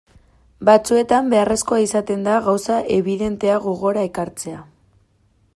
Batzuetan beharrezkoa izaten da gauza ebidenteak gogora ekartzea.